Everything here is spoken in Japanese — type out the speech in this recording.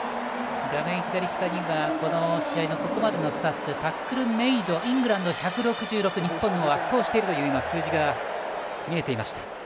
この試合のここまでのスタッツタックルメードイングランドが日本を圧倒しているという数字が見えていました。